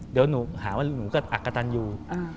เดี๋ยวหนูหาว่าหนูก็อักกะตันอยู่